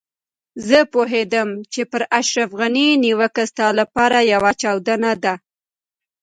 زه پوهېدم چې پر اشرف غني نيوکه ستا لپاره يوه چاودنه ده.